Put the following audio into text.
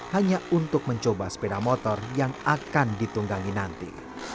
hanya untuk mencoba sepeda motor yang akan ditunggangi nanti